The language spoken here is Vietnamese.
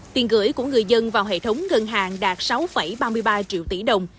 tiền gửi của người dân vào hệ thống ngân hàng đạt sáu ba mươi ba triệu tỷ đồng